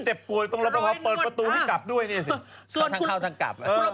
เจ็บป่วยตรงรับประพอเปิดประตูให้กลับด้วยนี่สิก็ทั้งเข้าทางกลับ